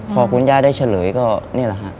พอคุณย่าได้เฉลยก็นี่แหละฮะ